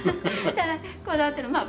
ただこだわってるまあ